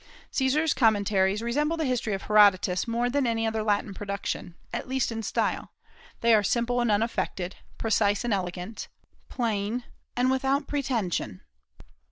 Caesar's "Commentaries" resemble the history of Herodotus more than any other Latin production, at least in style; they are simple and unaffected, precise and elegant, plain and without pretension.